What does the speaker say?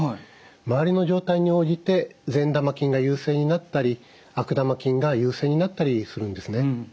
周りの状態に応じて善玉菌が優勢になったり悪玉菌が優勢になったりするんですね。